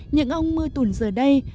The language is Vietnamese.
những ông mưu tùn giờ đây